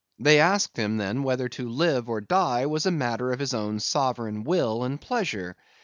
They asked him, then, whether to live or die was a matter of his own sovereign will and pleasure.